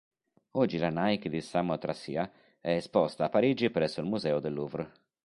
Oggi la Nike di Samotracia è esposta a Parigi presso il Museo del Louvre.